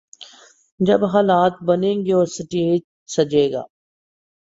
جب حالات بنیں گے اور سٹیج سجے گا۔